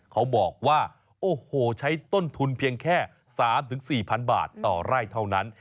เขาบอกว่าโอ้โหใช้ต้นทุนเพียงแค่๓๔๐๐๐บาทต่อไร่เท่านั้น